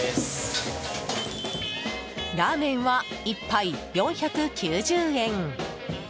ラーメンは１杯４９０円。